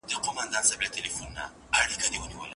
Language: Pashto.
پوهانو د علمي څېړنو د پرمختګ لپاره نوي اصول رامنځته کړل.